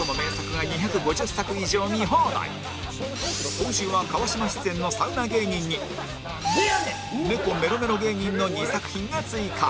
今週は川島出演のサウナ芸人に猫メロメロ芸人の２作品が追加